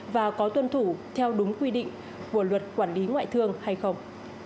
và có tuân thủ theo đúng quy định của luật quản lý ngoại thương hay không